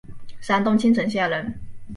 山东青城县人。